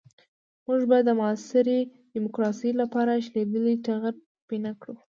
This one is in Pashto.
موږ به د معاصرې ديموکراسۍ لپاره شلېدلی ټغر پينه کړو.